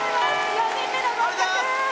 ４人目の合格！